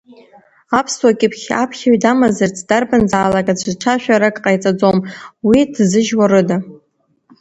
Аԥсуа кьыԥхь аԥхьаҩ дамазарц дарбанзаалак аӡә ҽышәарак ҟаиҵаӡом, уи ҭзыжьуа рыда.